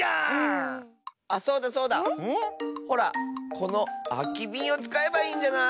このあきびんをつかえばいいんじゃない？